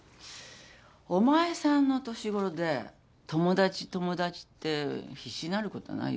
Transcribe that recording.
お前さんの年頃で友達友達って必死になるこたぁないよ。